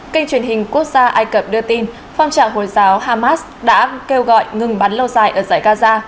kênh truyền hình quốc gia ai cập đưa tin phong trào hồi giáo hamas đã kêu gọi ngừng bắn lâu dài ở giải gaza